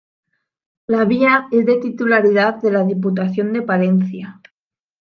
La vía es de titularidad de la Diputación de Palencia.